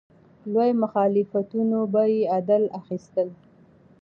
لوی مخالفتونه به یې عادي اخیستل.